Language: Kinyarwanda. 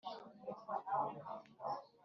Umusizi w’i Gihogwe Nyirarumaga